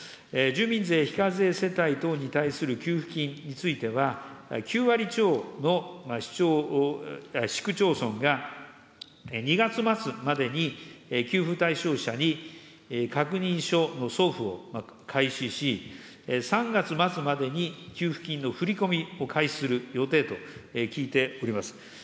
住民税非課税世帯等に対する給付金については、９割超の市区町村が２月末までに給付対象者に確認書の送付を開始し、３月末までに、給付金の振り込みを開始する予定と聞いております。